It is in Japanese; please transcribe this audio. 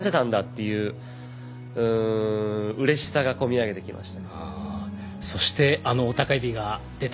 今ので勝てたんだといううれしさが込み上げてきました。